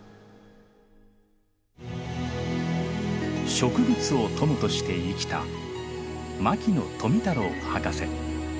植物を友として生きた牧野富太郎博士。